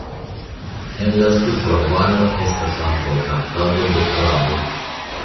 En la supra valo estas ankaŭ kaptado de kraboj.